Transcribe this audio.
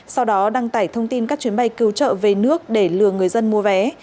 sau đó đăng tải thông tin các chuyến bay cứu trợ về nước để lừa người dân mua vé